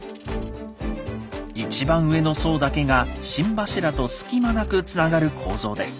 一番上の層だけが心柱と隙間なくつながる構造です。